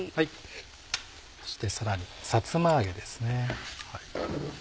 そしてさらにさつま揚げですね。